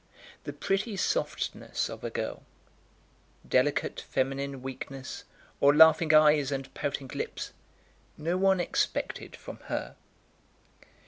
The pretty softness of a girl, delicate feminine weakness, or laughing eyes and pouting lips, no one expected from her.